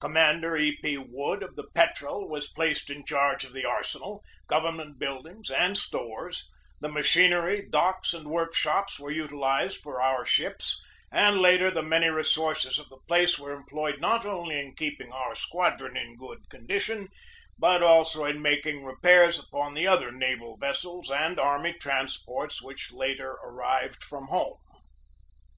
Com mander E. P. Wood, of the Petrel, was placed in charge of the arsenal, government buildings, and stores; the machinery, docks, and workshops were utilized for our ships, and, later, the many resources of the place were employed not only in keeping our squadron in good condition, but also in making re pairs upon the other naval vessels and army trans ports which later arrived from home.